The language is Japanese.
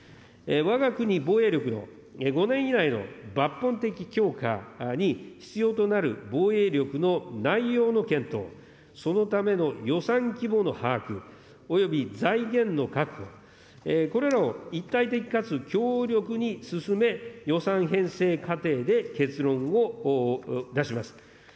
わが国防衛力の５年以内の抜本的強化に必要となる防衛力の内容の検討、そのための予算規模の把握、および財源の確保、これらを一体的かつ強力に進め、予算編成過程で結論を出します。